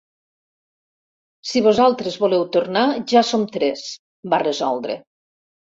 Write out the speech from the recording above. Si vosaltres voleu tornar, ja som tres —va resoldre—.